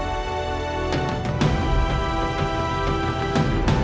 ag stunned beli belah ini